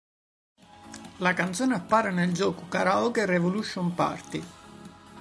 La canzone appare nel gioco Karaoke Revolution Party.